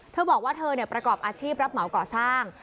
เธอบอกว่าเธอประกอบอาชีพรับเหมาก่อสร้าง